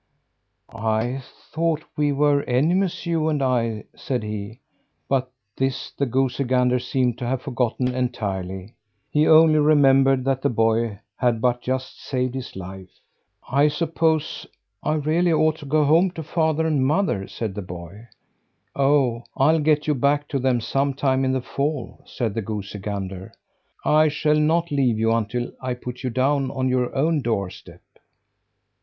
"I thought that we were enemies, you and I," said he. But this the goosey gander seemed to have forgotten entirely. He only remembered that the boy had but just saved his life. "I suppose I really ought to go home to father and mother," said the boy. "Oh! I'll get you back to them some time in the fall," said the goosey gander. "I shall not leave you until I put you down on your own doorstep."